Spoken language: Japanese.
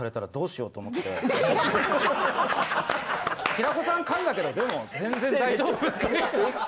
平子さん噛んだけどでも全然大丈夫って。